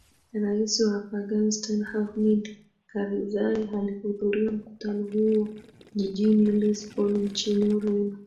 rais wa afghanistan hamid karizae alihudhuria mkutano huo jijini lisbon nchini ureno